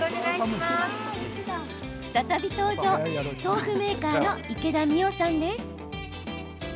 再び登場豆腐メーカーの池田未央さんです。